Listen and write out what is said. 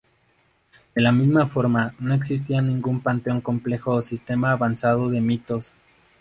De la misma forma, no existía ningún panteón complejo o sistema avanzado de mitos.